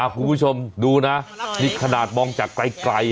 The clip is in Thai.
คุณผู้ชมดูนะนี่ขนาดมองจากไกล